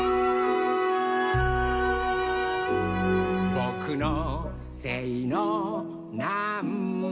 「ぼくのせいのなんばいも」